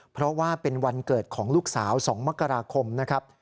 เพราะว่าเป็นวันเกิดของลูกสาว๒มกราคมนะครับ